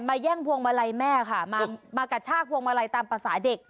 แย่งพวงมาลัยแม่ค่ะมากระชากพวงมาลัยตามภาษาเด็ก